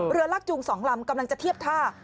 เรือลากจูง๒ลำกำลังจะเทียบท่า